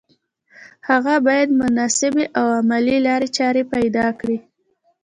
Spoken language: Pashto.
هغه بايد مناسبې او عملي لارې چارې پيدا کړي.